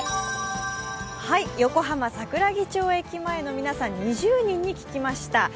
横浜・桜木町駅前の皆さん、２０人に聞きました。